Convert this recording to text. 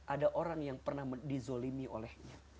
ada orang yang pernah dizolimi olehnya